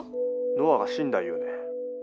ノアが死んだ言うねん。